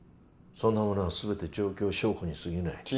そんなものは全て状況証拠にすぎない。